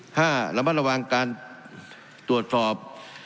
ถ้าระมัดระวังการตรวจสอบ